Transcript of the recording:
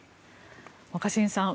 若新さん